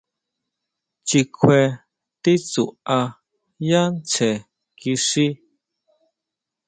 Chikjue titsuʼá yá tsjen kixí.